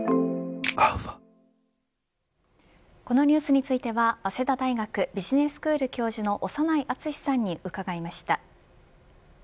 このニュースについては早稲田大学ビジネススクール教授の長内厚さんに伺いました。